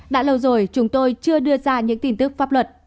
đã lâu rồi chúng tôi chưa đưa ra những tin tức pháp luật